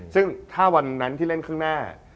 ซึ่งถ้าวันนั้นที่เล่นข้างหน้า